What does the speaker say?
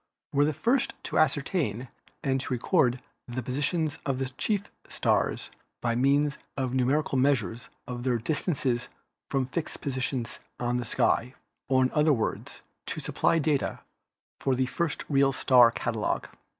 were the first to ascertain and to record the positions of the chief stars by means of numerical measures of their dis tances from fixed positions on the sky, or in other words, to supply data for the first real star catalogue.